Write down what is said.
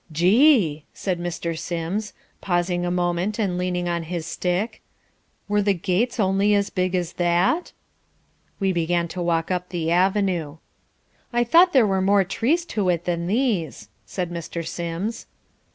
"Gee!" said Mr. Sims, pausing a moment and leaning on his stick, "were the gates only as big as that?" We began to walk up the avenue. "I thought there were more trees to it than these," said Mr. Sims.